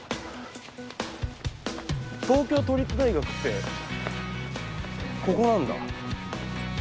東京都立大学ってここなんだ。